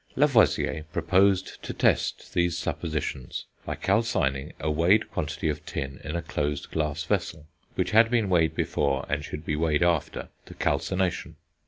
Lavoisier proposed to test these suppositions by calcining a weighed quantity of tin in a closed glass vessel, which had been weighed before, and should be weighed after, the calcination.